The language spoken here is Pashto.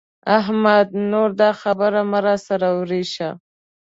احمده! نور دا خبره مه را سره ورېشه.